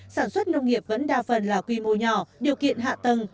sản xuất nông nghiệp vẫn đa phần là quy mô nhỏ điều kiện hạ tầng